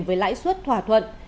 với lãi suất thỏa thuận